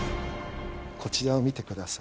こちらを見てください。